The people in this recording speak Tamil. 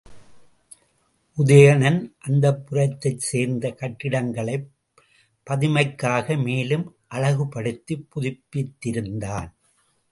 உதயணன் அந்தப்புரத்தைச் சேர்ந்த கட்டிடங்களைப் பதுமைக்காக மேலும் அழகுபடுத்திப் புதுப்பித்திருந்தான்.